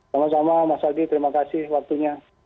selamat malam mas hadi terima kasih waktunya